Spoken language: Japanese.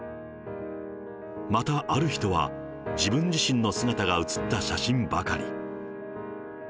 またある人は、自分自身の姿が写った写真ばかり。